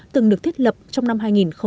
từng được thiết lập trong năm hai nghìn một mươi